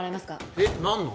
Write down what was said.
えっ何の？